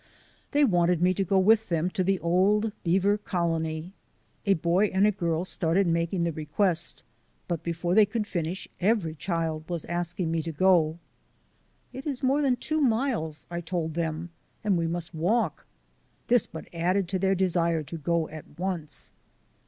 They wanted me to go with them to the old beaver colony. A boy and a girl started making the request, but before they could finish every child was asking me to go. "It is more than two miles," I told them, "and we must walk." This but added to their desire to go at once.